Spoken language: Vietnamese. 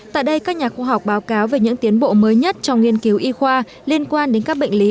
tại đây các nhà khoa học báo cáo về những tiến bộ mới nhất trong nghiên cứu y khoa liên quan đến các bệnh lý